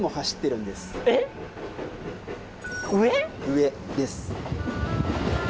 上です。